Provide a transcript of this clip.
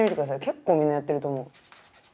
結構みんなやってると思う。